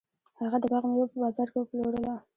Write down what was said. هغه د باغ میوه په بازار کې وپلورله.